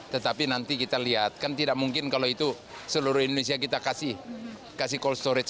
tetapi nanti kita lihat kan tidak mungkin kalau itu seluruh indonesia kita kasih cold storage